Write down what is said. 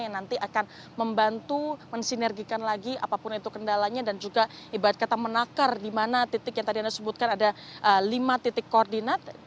yang nanti akan membantu mensinergikan lagi apapun itu kendalanya dan juga ibarat kata menakar di mana titik yang tadi anda sebutkan ada lima titik koordinat